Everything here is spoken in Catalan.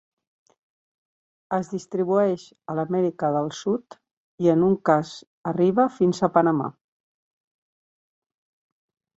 Es distribueix a l'Amèrica del Sud i en un cas arriba fins a Panamà.